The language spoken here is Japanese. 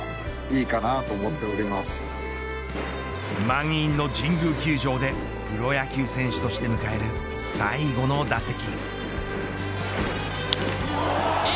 満員の神宮球場でプロ野球選手として迎える最後の打席。